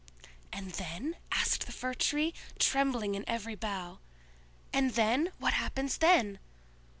"And then?" asked the Fir tree, trembling in every bough. "And then? What happens then?"